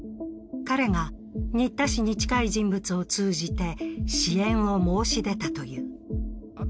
彼が新田氏に近い人物を通じて支援を申し出たという。